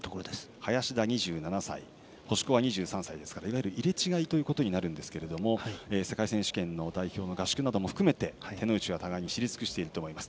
林田、２７歳星子は２３歳ですから入れ違いとなるわけですが世界選手権の代表の合宿なども含めて手の内は互いに知り尽くしていると思います。